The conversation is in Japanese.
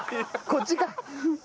こっちか。